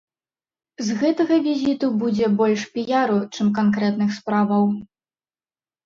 З гэтага візіту будзе больш піяру, чым канкрэтных справаў.